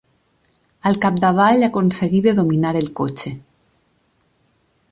Al capdavall aconseguí de dominar el cotxe.